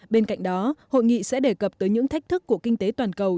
bên cạnh đó hội nghị sẽ đề cập tới những thách thức của kinh tế toàn cầu